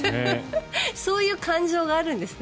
そういう感情があるんですね